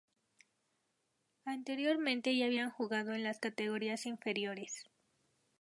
Anteriormente ya había jugado en las categorías inferiores.